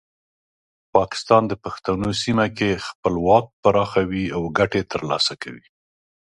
پاکستان د پښتنو سیمه کې خپل واک پراخوي او ګټې ترلاسه کوي.